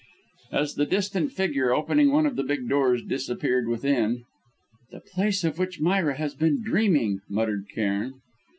As the distant figure, opening one of the big doors, disappeared within: "The place of which Myra has been dreaming!" muttered Cairn.